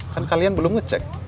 kan kalian belum ngecek